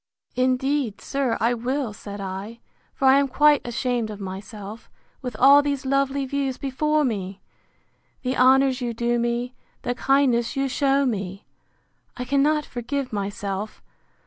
Indeed, sir, I will, said I; for I am quite ashamed of myself, with all these lovely views before me!—The honours you do me, the kindness you shew me!—I cannot forgive myself!